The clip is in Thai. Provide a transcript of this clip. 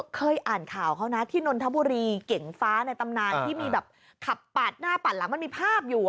เคยอ่านข่าวเขานะที่นนทบุรีเก่งฟ้าในตำนานที่มีแบบขับปาดหน้าปาดหลังมันมีภาพอยู่